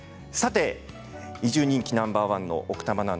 移住人気ナンバー１の奥多摩